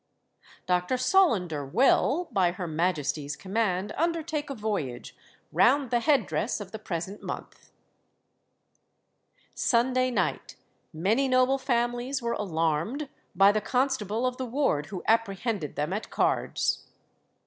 "Dr. Solander will, by Her Majesty's command, undertake a voyage round the head dress of the present month." "Sunday night. Many noble families were alarmed by the constable of the ward, who apprehended them at cards."